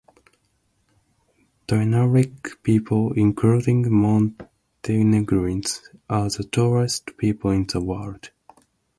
Dinaric people, including Montenegrins, are the tallest people in the world.